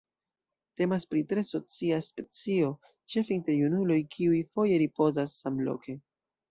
Temas pri tre socia specio, ĉefe inter junuloj kiuj foje ripozas samloke.